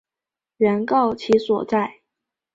原告其所在！